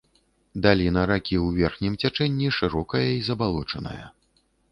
Даліна ракі ў верхнім цячэнні шырокая і забалочаная.